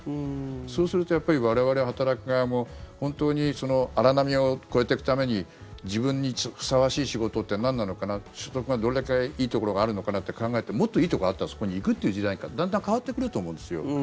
そうするとやっぱり我々働く側も本当に荒波を越えていくために自分にふさわしい仕事ってなんなのかな所得がどれだけいいところがあるのかなって考えてもっといいところがあったらそこに行くという時代にだんだん変わってくると思うんですよ。